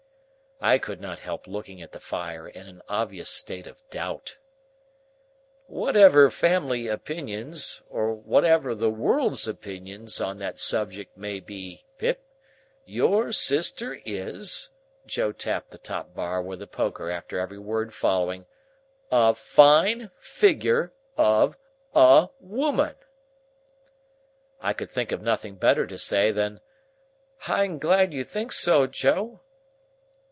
I could not help looking at the fire, in an obvious state of doubt. "Whatever family opinions, or whatever the world's opinions, on that subject may be, Pip, your sister is," Joe tapped the top bar with the poker after every word following, "a fine figure—of—a—woman!" I could think of nothing better to say than "I am glad you think so, Joe."